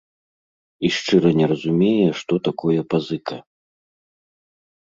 І шчыра не разумее, што такое пазыка.